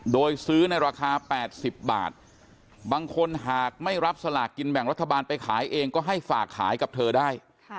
โดยซื้อในราคา๘๐บาทบางคนหากไม่รับสลากกินแบ่งรัฐบาลไปขายเองก็ให้ฝากขายกับเธอได้